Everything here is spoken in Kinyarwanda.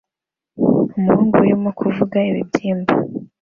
Umuhungu arimo kuvuza ibibyimba